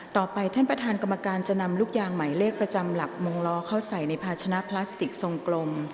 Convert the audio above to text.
ต่อไปท่านประธานกรรมการจะนำลูกยางหมายเลขประจำหลักมงล้อเข้าใส่ในภาชนะพลาสติกทรงกลม